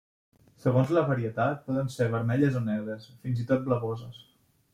Segons la varietat, poden ser vermelles o negres, fins i tot blavoses.